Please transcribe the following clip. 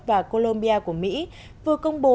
và columbia của mỹ vừa công bố